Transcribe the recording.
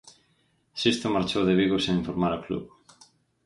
Sisto marchou de Vigo sen informar o club.